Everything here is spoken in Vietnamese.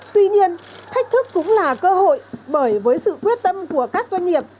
tuy nhiên thách thức cũng là cơ hội bởi với sự quyết tâm của các doanh nghiệp